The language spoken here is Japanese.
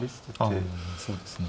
うんそうですね